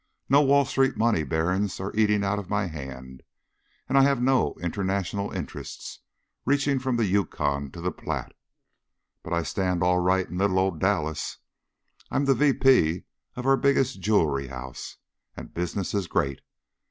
No Wall Street money barons are eating out of my hand, and I have no international interests 'reaching from the Yukon to the Plate,' but I stand all right in little old Dallas. I'm the V. P. of our biggest jewelry house, and business is great."